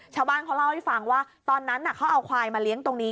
ชาวบ้านเขาเล่าให้ฟังว่าตอนนั้นเขาเอาควายมาเลี้ยงตรงนี้